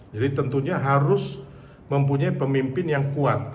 jadi tentunya harus mempunyai pemimpin yang kuat